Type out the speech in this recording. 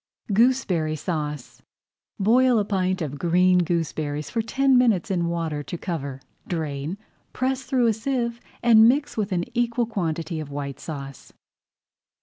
GOOSEBERRY SAUCE Boil a pint of green gooseberries for ten minutes in water to cover. Drain, press through a sieve, and mix with an equal quantity of White Sauce.